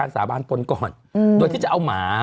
มีสารตั้งต้นเนี่ยคือยาเคเนี่ยใช่ไหมคะ